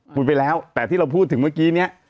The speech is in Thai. พูดไปแล้วแต่ที่เราพูดถึงเมื่อกี้เนี่ย